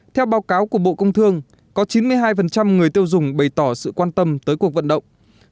theo báo cáo của bộ công thương có chín mươi hai người tiêu dùng bày tỏ sự quan tâm tới cuộc vận động